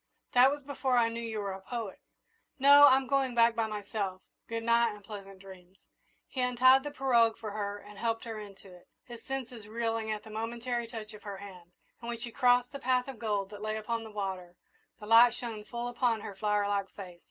"That was before I knew you were a poet. No, I'm going back by myself good night, and pleasant dreams!" He untied the pirogue for her and helped her into it, his senses reeling at the momentary touch of her hand; and when she crossed the path of gold that lay upon the water, the light shone full upon her flower like face.